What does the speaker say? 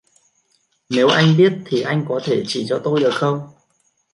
Nếu anh biết thì anh có thể chỉ cho tôi được không